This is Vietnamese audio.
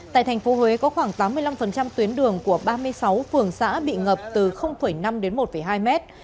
tại thành phố huế có khoảng tám mươi năm tuyến đường của ba mươi sáu phường xã bị ngập từ năm đến một hai mét